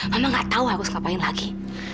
mama gak tahu harus ngapain lagi